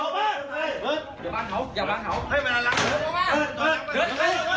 ลบไป